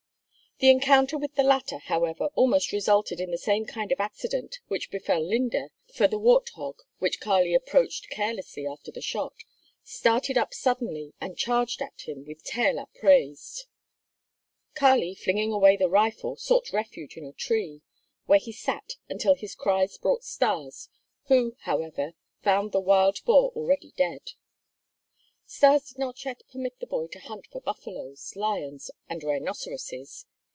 The encounter with the latter, however, almost resulted in the same kind of accident which befell Linde, for the wart hog, which Kali approached carelessly after the shot, started up suddenly and charged at him with tail upraised. Kali, flinging away the rifle, sought refuge in a tree, where he sat until his cries brought Stas, who, however, found the wild boar already dead. Stas did not yet permit the boy to hunt for buffaloes, lions, and rhinoceroses.